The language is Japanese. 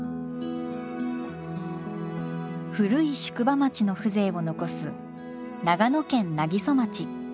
古い宿場町の風情を残す長野県南木曽町。